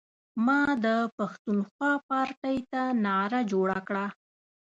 ما د پښتونخوا پارټۍ ته نعره جوړه کړه.